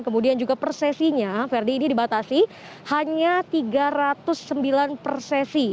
kemudian juga per sesinya ferdi ini dibatasi hanya tiga ratus sembilan per sesi